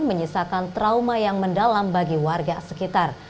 menyisakan trauma yang mendalam bagi warga sekitar